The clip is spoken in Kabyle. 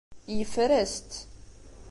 Yeffer-as-tt.